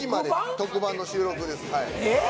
特番の収録ですええっ！？